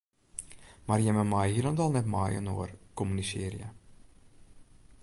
Mar jimme meie hielendal net mei-inoar kommunisearje.